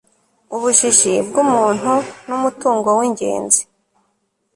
ubujiji bw'umuntu ni umutungo w'ingenzi